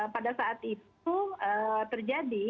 pada saat itu terjadi